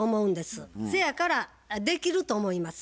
そやからできると思います。